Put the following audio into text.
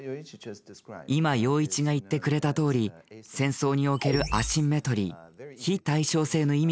今陽一が言ってくれたとおり戦争における「アシンメトリー」非対称性の意味が変わると思います。